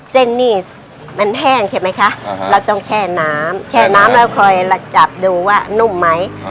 เส้นนี่มันแห้งใช่ไหมคะเราต้องแช่น้ำแช่น้ำแล้วคอยจับดูว่านุ่มไหม